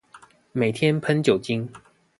每天噴酒精